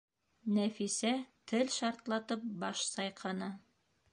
Нәфисә тел шартлатып баш сайҡаны: